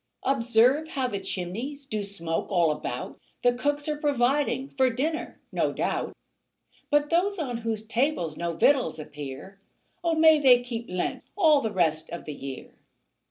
Observe how the chimneys Do smoke all about; The cooks are providing For dinner, no doubt; But those on whose tables No victuals appear, O may they keep Lent All the rest of the year.